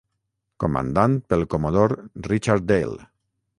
Comandat pel Comodor Richard Dale.